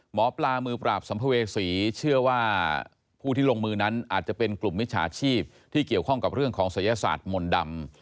หมอปลามือปราบสัมภเวษีเชื่อว่าผู้ที่ลงมือนั้นอาจจะเป็นกลุ่มมิจฉาชีพที่เกี่ยวข้องกับเรื่องของศัยศาสตร์มนต์ดำ